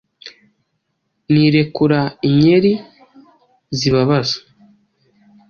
Ni irekura inyeri zibabaza,